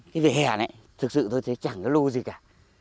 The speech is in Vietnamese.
cái vỉa hè này thực sự thôi chẳng có lưu gì cả